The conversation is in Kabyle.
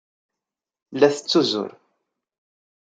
La tettuzur.